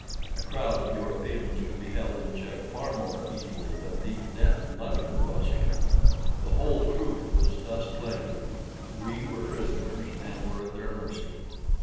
A crowd of Europeans could be held in check far more easily than these death loving Kosekin. The whole truth was thus plain: we were prisoners, and were at their mercy.